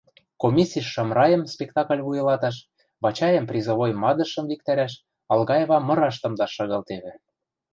Комиссиш Шамрайым спектакль вуйлаташ, Вачайым призовой мадышым виктӓрӓш, Алгаевам мыраш тымдаш шагалтевӹ.